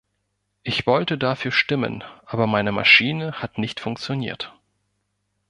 Ich wollte dafür stimmen, aber meine Maschine hat nicht funktioniert.